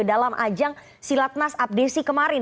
dalam ajang silat nas abdesi kemarin